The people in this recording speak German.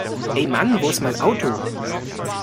Ey Mann wo ist mein Auto?